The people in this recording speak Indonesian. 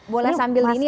boleh sambil ini ya dok